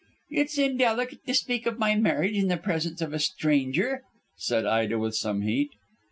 "It's indelicate to speak of my marriage in the presence of a stranger," said Ida with some heat.